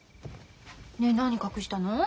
ねえ何隠したの？